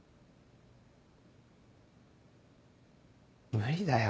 無理だよ